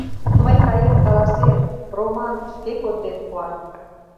— Мый каен каласем: Роман шке конден пуа.